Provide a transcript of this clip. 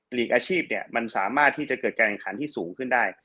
ลีกอาชีพเนี่ยมันสามารถที่จะเกิดการแข่งขันที่สูงขึ้นได้